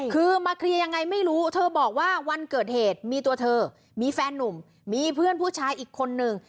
คือมาเคลียร์ยังไงไม่รู้เธอบอกว่าวันเกิดเหตุมีตัวเธอมีแฟนนุ่มมีเพื่อนผู้ชายอีกคนนึง